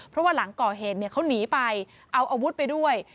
เพราะว่าหลังก่อเหตุเขาหนีไปเอาอาวุธไปด้วย